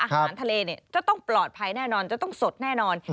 อาหารทะเลจะต้องปลอดภัยแน่นอนจะต้องสดแน่นอน